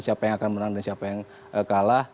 siapa yang akan menang dan siapa yang kalah